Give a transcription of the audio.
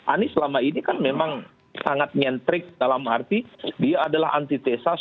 anies selama ini kan memang sangat nyentrik dalam arti dia adalah antitesas